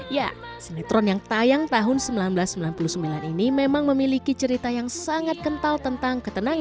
ya senetron yang tayang tahun seribu sembilan ratus sembilan puluh sembilan ini memang memiliki cerita yang sangat kental tentang ketenangan